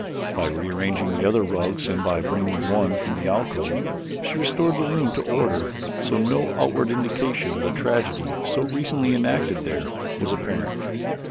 By rearranging the other rugs and by bringing one from the alcove she restored the room to order so no outward indication of the tragedy so recently enacted there was apparent.